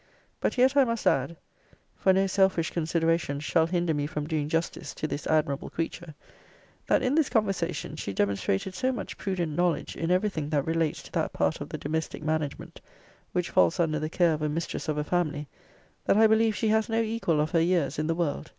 But yet I must add (for no selfish consideration shall hinder me from doing justice to this admirable creature) that in this conversation she demonstrated so much prudent knowledge in every thing that relates to that part of the domestic management which falls under the care of a mistress of a family, that I believe she has no equal of her years in the world.